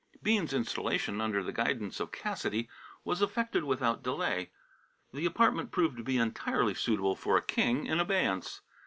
Bean's installation, under the guidance of Cassidy, was effected without delay. The apartment proved to be entirely suitable for a king in abeyance.